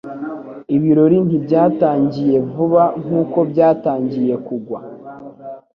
Ibirori ntibyatangiye vuba nkuko byatangiye kugwa.